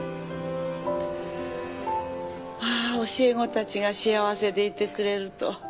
まあ教え子たちが幸せでいてくれると。